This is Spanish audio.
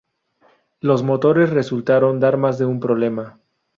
Los motores resultaron dar más de un problema.